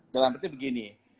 dalam arti begini